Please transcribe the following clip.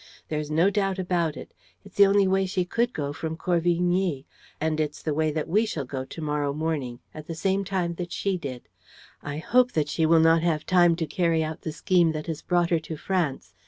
"There's no doubt about it. It's the only way she could go from Corvigny. And it's the way that we shall go to morrow morning, at the same time that she did. I hope that she will not have time to carry out the scheme that has brought her to France.